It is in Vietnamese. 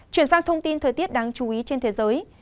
chuyển sang thông tin thời tiết đáng chú ý trên thế giới